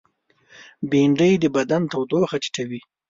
بېنډۍ د بدن تودوخه ټیټوي